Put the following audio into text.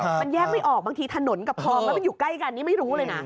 มันแยกไม่ออกบางทีถนนกับคลองแล้วมันอยู่ใกล้กันนี่ไม่รู้เลยนะ